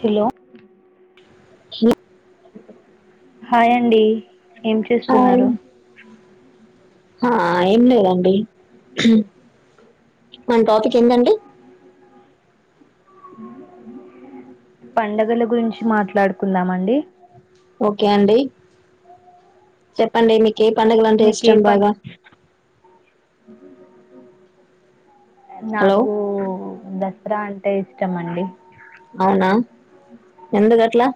Hello. చి [unintelligible] hi! అండి, ఏం చేస్తున్నారు? హ, ఏం లేదండి మన్ టాపిక్ ఏందండి? పండగల గురించి మాట్లాడుకుందామండి. ఓకే అండి, చెప్పండి మీక. ఎ పడుగలంటే మీకు ఏ ఇష్టం పం బాగా? హలో నాకు, దసరా అం. అవునా, ఎందు అట్లా?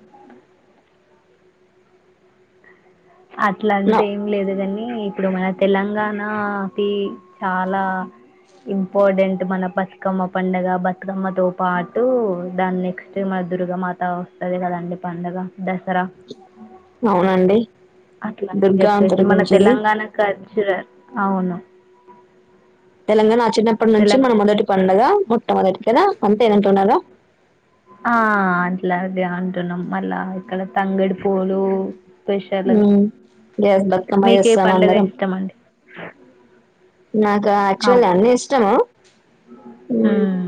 అట్లా నో అంటే, ఏం లేదు గని? ఈ ఇప్పుడు, మన తెలంగాణ కీ చాలా. ఇంపార్టెంట్, మన బతుకమ్మ పండగ. బతుకమ్మతో పాటు, దాన్ని నెక్స్ట్ ఎమర్స్. దుర్గమాత, వస్తది కదండి పండుగ? అవునండి. అట్లా అని దుర్గా చెప్పేసి, అంతరి మన గురించిది తెలంగాణ కల్చరర్. అవును. తెలంగాణ ఆచిన్నప్పడు నుంచి, మన తెలంగా మొదటి పడుగ. మొట్టమొదటి అంతేనా. అంతే అటున్నారా? ఆ అట్లాగా అంటున్నాం. మళ్లా ఇక్కడ తంగేడ్ పూలు, స్పెష్. టెర్లగు. గ్యాస్ బతుకమ్మ మీకే చేస్తాం పండగ అందరం ఇష్టం అండి? నాకా, అవు యాక్చువల్ అన్నీ ఇష్టము. హ్మ్. ఉమ్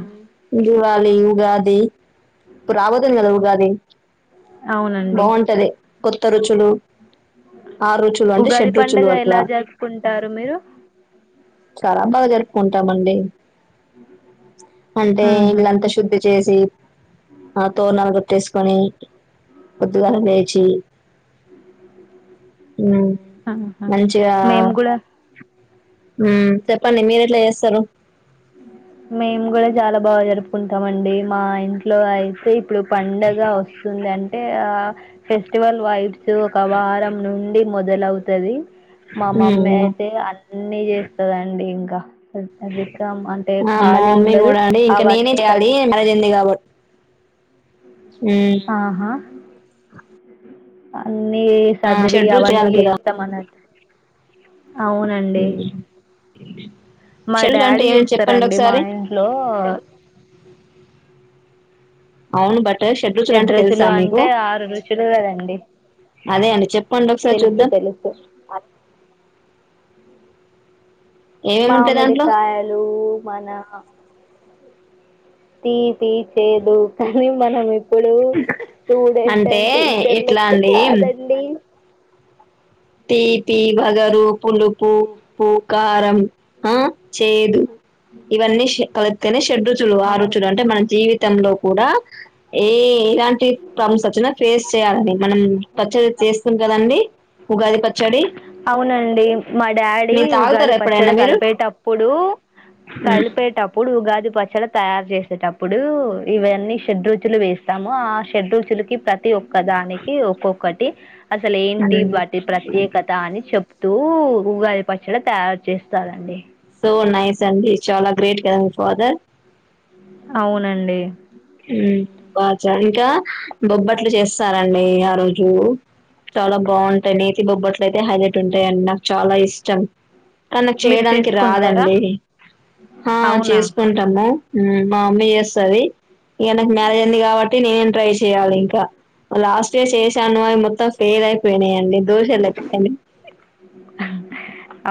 దివాళి, ఉగాది. ఇప్పుడు రాబోతుంది కదా ఉగాది? అవునండి బాఉంటంది, కొత్త రుచులు. ఆరు రూచులు అంటే, ఉగాది షెడ్ రూచులు పండుగ ఎలా అట్లా. జరుపుకుంటారు మీరు చాలా బాగా జరుపుకుంటామండి. అంటే ఆహా ఇల్లంతా శుద్ధి చేసి. ఆ తోరనాలు, కొట్టేసుకొని. పద్దుగాల లేచి. హ్మ్, ఆహా మంచిగా. మేము కూడా హ్మ్, చెప్పండి మీరు ఎట్లా చేస్తారు? అ మేము కూడా చాలా బాగా జరుపుకుంటాం అండి మా ఇంట్లో అయితే ఇప్పుడు పండగ వస్తుంది అంటే ఆ ఫెస్టివల్ వైబ్స్ ఒక వారం నుండి మొదలవుతది మా మమ్మీ ఉమ్ అయితే అన్నీ చేస్తదండి ఇంకా రికం అంటే ఆ మా ఖాళీ మమ్మీ ఉండదు. కూడా అండి ఇంకా నేనే అవన్నీ చేయాలి కడుగుతా మరజ్ంది కాబట్టి ఉమ్ ఆహా అ వన్నీ ఆ సదిరి షెడ్ రుచులు అవన్నీ చేయాలి కదా చేస్తాం అన్నట్టు అవునండి రండి మా డాడీ చేస్తారండి మా ఇంట్లో అవును బ షెడ్ రుజులు అంటే ఆరు రుచులు కదండి అదే అండి చెప్పండి ఒకసారి తెలుసు చూద్దాం తెలుసు ఏమేమి ఉంటాయి దాంట్లో మామిడికాయలు మన తీపి చేదు కానీ మనం ఇప్పుడు స్టూడెంట్ అంటే అండి టీచర్ ఎట్లా లెక్క అండి కాదండి తీపి వగరు పులుపు ఉప్పు కారం ఆ చేదు ఇవన్నీ కలిస్తతేనే షడ రుచులు ఆరుుచులు అంటే మన జీవితంలో కూడా ఏ ఎలాంటి ప్రాబ్లమ్స్ వచ్చిన ఫేస్ చేయాలని మనం పచ్చడి చేస్తున్నం కదండి ఉగాది పచ్చడి అవునండి మా డాడీ మీరు ఉగాది తాగుతారా ఎప్పుడైనా పచ్చడి మీరు కలిపేటప్పుడు కలిపేటప్పుడు ఉగాది పచ్చల తయారు చేస్త టప్పుడు ఇవన్నీ షెడ రుచులు వేస్తాము ఆ షెడ రుచులు కి ప్రతి ఒక్క దానికి ఒక్కొక్కటి అసలు ఏంటి వాటి ప్రత్యేకత అని చెప్తూ ఉగాది పచ్చడి తయారు చేస్తారంండి ఓ నైస్ అండి చాలా గ్రేట్ కదా మి ఫాదర్ అవునండి బాగా చ ఇంకా బొబ్బట్లు చేస్తారండి ఆ రోజు చాలా బాగుంటాయి నేతి బొబ్బట్లు అయితే హైలైట్ ఉంటాయండి నాకు చాలా ఇష్టం తనకు మీరు చేయడానికి చేసుకుంటారా రాదండి ఆ అవునా చేసుకుంటాము మా అమ్మీ చేస్తది ఇంగ నాకు మ్యారేజ్ అయింది కాబట్టి నేనేం ట్రై చెయ్యాలి ఇంకా లాస్ట్ ఇయర్ చేశాను అవి మొత్తం ఫెయిల్ అయిపోయినాయండి దోషాలుడి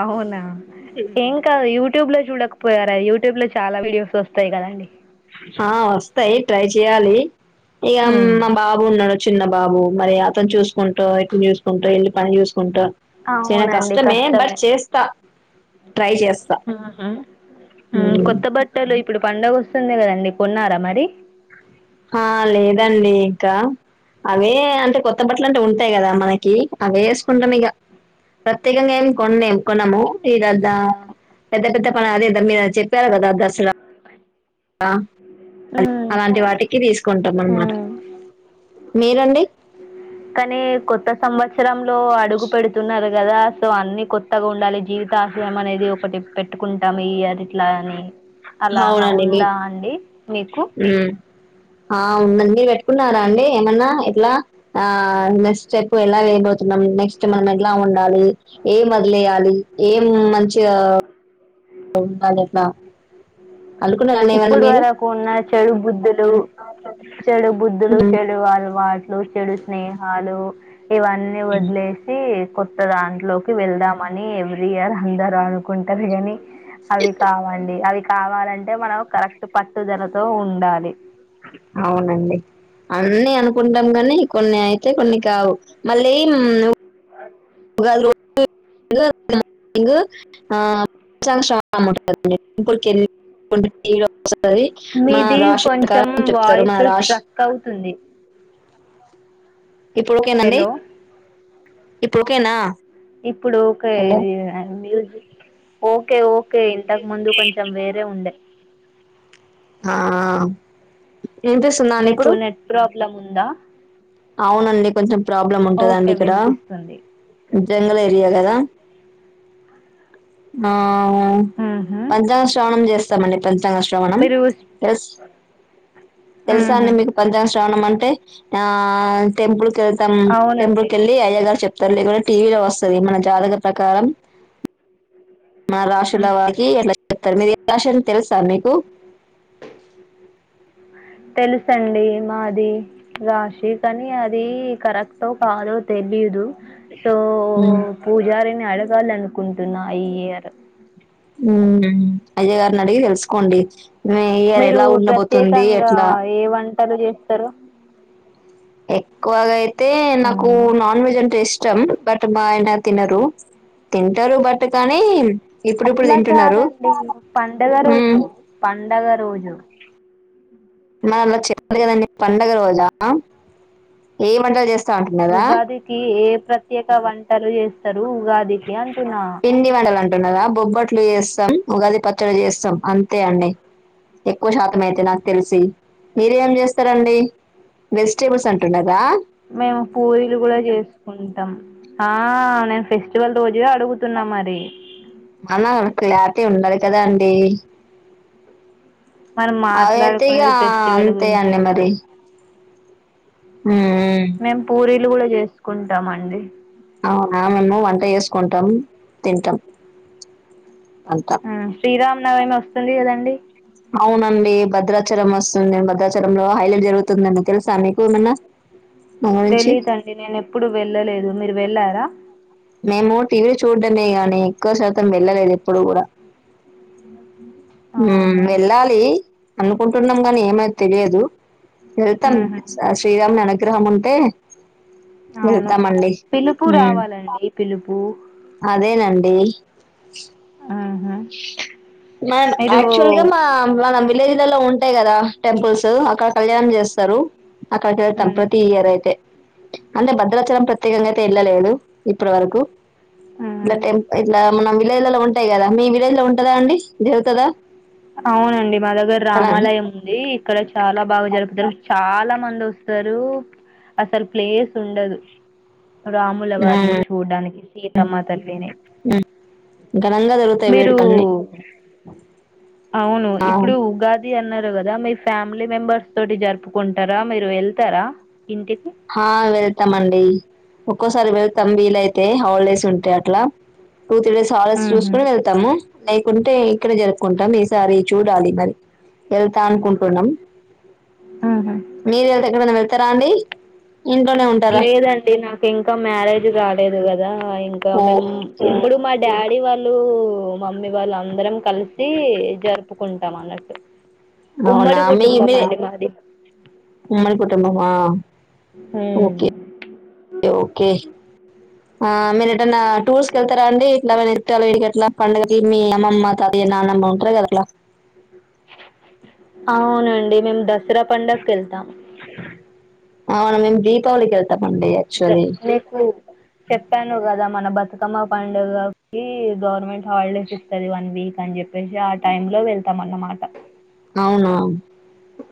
అవునా ఏం కాదు యూ యట్యూబ్ లో చూడకపోయారు యూట్యూబ్ లో చాలా వీడియోస్ వస్తాయి కదండి ఆ వస్తాయి ట్రై చెయాలి ఇక ఉమ్, మా బాబు ఉన్నడు చిన్న బాబు మరి అతను చూసుకుంటా ఇటు చూసుకుంటా ఎళ్ళిపని చూస్తు కుంటా చిన్న కష్టమే బట్ చేస్తా ట్రై చేస్తా ఉహు. ఉమ్, కొత్త బట్టలు ఇప్పుడు పడుగ వస్తుంది కదండి కొన్నారా మరి ఆ లేదండి ఇంకా అవే అంటే కొత్త బట్ల అంటే ఉంటు ఉంటాయి కదా మనకి అవి వేసుకుంటాం ఇక ప్రత్యేకంగా ఏం కొనం కొన్నాము ఈదద్ద పెద్ద పెద్ద పన అదే దసర మీద చెప్పారు కదా దసరా ఉమ్, అలాంటి వాటికి తీసుకుంటాం అన్నమాట ఉమ్. మీరండి కానీ కొత్త సంవత్సరంలో అడుగు పెడుతున్నారు కదా సో అన్ని కొత్తగా ఉండాలి జీవితా ఆశయం అనేది ఒకటి పెట్టుకుంటాం ఈ ఇయర్ ఇట్లా అని అలా అవునండి మీ ఉందా అండి మీకు ఉమ్ ఆ ఉందండి మీరు పెట్టుకున్నారా అండి ఏమన్నా ఎట్లా ఆ నెక్స్ట్ స్టెప్ ఎలా వెేయపోతున్నాం నెక్స్ట్ మనం ఎట్లా ఉండాలి ఏమని యాలి ఏం మంచి ఉండాలి అట్లా అనుకున్నారండి ఏమన్నా ఇప్పుడు మీరు వరకు ఉన్న చెడు బుద్ధులు చెడు బుద్ధులు ఉమ్ చెడు అలవాటు చెడు స్నేహాలు ఇవన్నీ వదిలేసి కొత్త దాంట్లోకి వెళ్దామని ఎవ్రీ ఇయర్ అందరుూ అనుకుంటారు కానీ అవి కావండి అవి కావాలంటే మనం కరెక్ట్ పట్టుదలతో ఉండాలి అవునండి అన్నీ అనుకుంటాం కానీ కొన్ని అయితే కొన్ని కావు మళ్ళీ [unintelligible] ఆ [unintelligible] మా మీది రాశి కొంచెం ప్రకారం చెప్తారు మా వాయిస్ రాశి స్ట్రక్ అవుతుంది ఇప్పుడు ఓకేనాండి హలో ఇప్పుడు ఓకేనా ఇప్పుడు ఓకె హలో ఇది మ్యూజిక్ ఓకే ఓ ఓకే ఇంతకు ముందు కొంచెం వేరే ఉండే ఆ వినిపిస్తుందా అండి ఇప్పుడు లంమ్దా అవునండి కొంచెం ప్రాబ్లం ఉంటందండి ఇక్కడ వినిపిస్తుంది. జంగల్ ఏరియా గదా ఆ ఉ ఆహా! పంచాంగ శ్రావణం చేస్తామండి పంచాంగ శ్రవణం మీరు స్ తెలు తెలుసా అడి ఆహా! మీకు పంచాంగ శ్రవణం అంటే ఆ టెంపుల్ కి వెళ్తాం టెంపుల్ అవునండి. కెళ్ళి అయ్యగారు చెప్ తల్లి కూడా టీవీలో వస్తుది మన జాతక ప్రకారం మ హ్మ్. రాశులవరకి ఎట్ల చెప్తారు మీది ఎరాషని తెలుసా మీకు తెలుస అండి మాది రాశి అని అది కరెక్ట్ కాదో తెలిదు సో మ్మ్. పూజారిని అడ అడగాలనుకుంటున్నా ఈ ఇయర్ ఉ అయ్యా గారిని అడిగి తెలుసుకోండి మి ఇయర్ మీరు ఎలా ఉండబోతుంది ఎట్లా పట్టలు చేస్తారు ఎక్కువగా అయితే నాకు హ్మ్. నాన్ వెజ్ అంటే ఇస్ట్ ఇష్టం బట్ మా ఆయన తినరు తింటారు బట్ కానీ ఇప్పుడిప్పుడు అట్లా తింటున్నారు కాదండి పండగ మ్మ్. రోజు పండగ రోజు మరలా చెప్పాలి కదండి పండగ రోజా ఏ వంటలు చేస్త ఉగాదికి ఏ ప్రత్యేక వంటలు చేస్తారు ఉగాదికి అంటున్నా న్నదా బొబ్బట్లు చేస్తాం ఉగాది పచ్చడి చేస్తాం అంతే అండి ఎక్కువ శాతం అయితే నాకు తెలిసి మీరేం చేస్తారండి వెజిటేబుల్స్ అంటుంన్నర మేము పూరీలు కూడా చేసుకుంటాం ఆ నేను ఫెస్టివల్ రోజు ఇ అడుగుతున్నా మరి తే ఉండాలి కదా అండి మనం అవిఅయితే ఇగా మాట్లాడుకునేది ఫెస్టివల్ అంతే గురించే అండి కదా మరి మ్ నువ్వులు కూడా చేసుకుంటామండి ఆ మేము వంట చేసుకుంటాం తింటాం అంతా శ్రీరామనవమి వస్తుంది కదండి అవునండి భద్రాచలం వస్తుంది భద్రాచలంలో హైలైట్ జరుగుతుందండి తెలుసా మీకు ఏమ్మన్న తెలీదండి నేను ఎప్పుడు వెళ్ళలేదు మీరు వెళ్ళారా మేము టీవీ చూడడమే గానీ ఎక్కువ శాతం వెళ్ళలేదు ఎప్పుడు కూడా [inaudible] ఆహా వెళ్ళాలి అనుకుంటున్నాం గాని ఏమై తెలియదు వెళ్తాం ఉహు శ్రీరామ్మునీ అనుగ్రహం ఉంటే అవును వెళ్తామండి పిలుపు హ్మ్ రావాలండి పిలుపు అదేనండి ఆహా మ మీరు యాక్చువల్గా మా మన విలేజ్ లలో ఉంట ఉంటాయ్ కదా టెంపుల్స్ అక్కడ కళ్యాణం చేస్తారు అక్కడకి వెళ్తాం ఉమ్ ప్రతి ఇయర్ అయితే అంటే భద్రాచలం ప్రతి ప్రత్యేకంగా ఎల్లలేదు ఇప్పటి వరకు ఇగా ఉమ్ టెంపుల్ ఇలా మనం విలేజ్ లాలో ఉంటాయి కదా మీ విలేజ్ లో ఉంటదా అండి జరుగుతుందా అవునండి మా దగ్గర రామాలయం ఉంది ఇక్కడ చాలా బాగా జరుపుతారు చాలా మంది ఓస్తారు అసలు ప్లేస్ ఉండదు రాముల వారిని హ్మ్ చూడ్డానికి సీతమ్మ తల్లిని ఘనంగా జరుగుతాయి మీరు వేడుకలన్నీ అవును ఆ ఇప్పుడు ఉగాది అన్నారు కదా మీ ఫ్యామిలీ మెంబర్స్ తోటి జరుపుకుంటారా మీరు వెళ్తారా ఇంటి హా వెళ్తామండి ఒక్కోసారి వెళతాం వీలయితే హౌలిడేస్ ఉంటే అట్లా టూ త్రీ డేస్ ఆల్డేస్ ఊహు చూసుకుని వెళ్తాము లేకుంటే ఇక్కడే జరుపుకుంటాం ఈసారి చూడాలి మరి వెళ్తా అనుకుంటున్నాం ఊహు మీరు వెళ్తే ఎక్కడనా వెళ్తారా అండి ఇంట్లోనే ఉంటారా లేదండి నాకు ఇంకా మ్యారేజ్ కాలేదు గద ఆ ఇంకా మేము ఓకే ఇప్పుడు మా డాడీ వాళ్ళు మమ్మీ వాళ్ళు అందరం కలిసి జరుపుకుంటాం అన్నట్టు అవునా ఉమ్మడి మీ కుటుంబం మీరే అండి మాది ఉమ్మడి కుటుంబమా ఓకే ఓకే ఆ మీరు ఎటన్నా టూర్స్ కెల్తారా అండి ఇట్లా వీడికిట్లా పండుగా మీ అమ్మమ్మ తాతయ్య నాన్నమ్మ ఉంటారుగా ఇట్ల అవునండి మేము దసరా పండక్కి ఏళ్తాం అవును మేం దీపవళి కెల్ మీకు చెప్పాను కద మన బతుకమ్మ పండుగకిి గవర్నమెంట్ హాలిడేస్ ఇస్తది వన్ వీక్ అని చెప్పి ఆ టైమ్ లో వెళ్తాం అన్నమాట అవును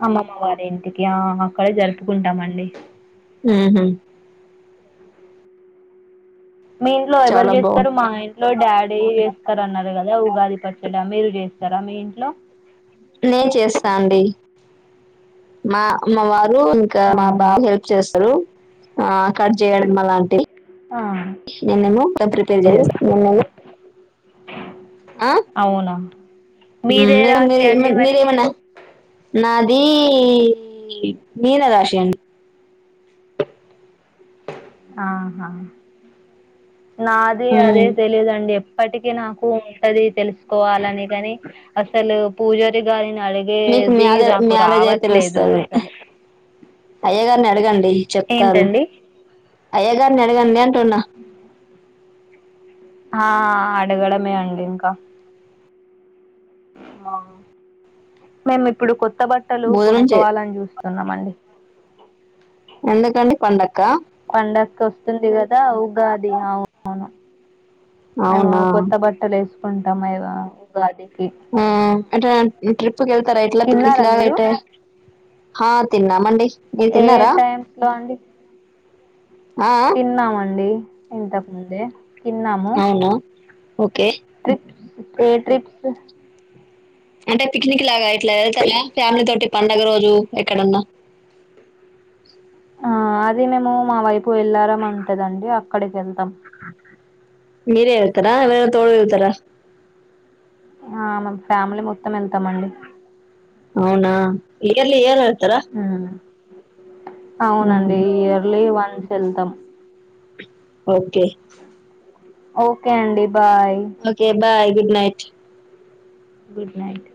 అమ్మమ్మ వారి ఇంటికి ఆ అక్కడే జరుపుకుంటామండి మ్ హు మీ ఇంట్లో ఎవరు చాలా చేస్తారు బాగుంది మా ఇంట్లో డాడీ చేస్త వస్తారన్నారు కదా గాది ఉగాది పచ్చడ మీరు చేస్తారా మీ ఇంట్లో నేను చేస్తా అండి మా మా వారు ఇంకా మా ఆహా బాబు హెల్ప్ చేస్తారు ఆ కట్ చేయడం అలాంటి ఆ నేనేమో ప్రిపేర్ చేస్తాను అవునా మీదే మీరు రాశి మీరు అండి మీరు మరి ఏమన్నా నాది మీనరాశి అండి ఆహా నాది అదే ఉమ్ తెలిదండి ఎ ఇప్పటికి నాకు ఉంటది తెలుసుకోవాలని కాని అసలు పూజారి గారిని మీకు అడిగేది మ్యాద నాకు రావట్లేదు అసలు అయ్య గారిని అడగండి చెప్తారు ఏంటండి అయ్యగారిని అడగండి అంటున్న ఆ అడగడమే అండి ఇంకా మేము ఇప్పుడు కొత్త బట్టలు భోజనం చే కొనుక్కవాలని చూస్తున్నాం అండి ఎందుకండి పండక్క వంది కదా ఉగాది అవువును మేము అవునా కొత్త బట్టలు వేసుకు కొంటమైవా ఉగాది ఆ అ ట్రిప్ కళ్తారా ఇట్లా తిన్నారా మీరు పిక్నిక్లాయితే హా తిన్నా మండి ఏ టైమ్స్ లో అండి ఆ తిన్నామండి ఇంతకుముందే తిన్నాము ఆ అవునా ఓకే ట్రిప్స్ ఏ ట్రిప్స్ అంటే పిక్నిక్ లాగా ఇట్లా వెళ్తార ఫ్యామిలీ తోటి పండుగ రోజు ఎక్కడన్నా ఆ అది మేము మా వైపు వెళ్లారా అంటదండి అక్కడికి వెళ్తాం మీరే వెళ్తారా ఎవరైనా తోడు వెళ్తారా ఆ మ ఫ్యామిలీ మొత్తం వెళ్తామండి అవునా ఇయర్లి ఇయర్లే అవునా అవునండి ఇయర్లీ వన్స్ వెళ్తాం ఓకే ఓకే అండి bye okay bye good night good night